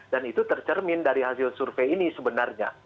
dan itu tercermin dari hasil survei ini sebenarnya